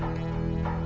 aku mau ke rumah